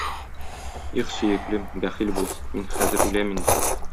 Их, сөеклем, бәхил бул, мин хәзер үләм инде.